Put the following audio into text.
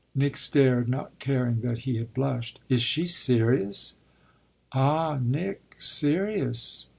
Nick stared, not caring that he had blushed. "Is she serious?" "Ah Nick serious!"